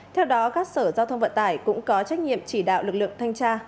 theo đó các sở giao thông vận tải cũng có trách nhiệm chỉ đạo lực lượng thanh tra